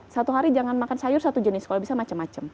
satu hari jangan makan sayur satu jenis kalau bisa macam macam